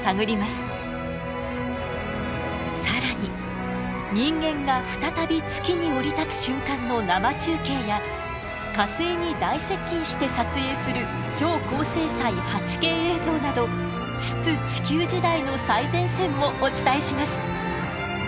更に人間が再び月に降り立つ瞬間の生中継や火星に大接近して撮影する超高精細８Ｋ映像など出・地球時代の最前線もお伝えします。